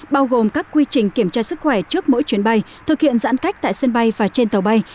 bao gồm các quy trình kiểm tra sức khỏe trước mỗi chuyến bay thực hiện giãn cách tại sân bay và trên tàu bay